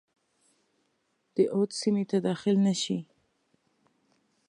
د اود سیمي ته داخل نه شي.